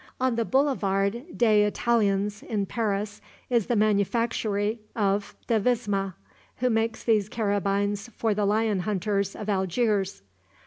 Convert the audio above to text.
On the Boulevard des Italiens, in Paris, is the manufactory of Devisme, who makes these carabines for the lion hunters of Algiers.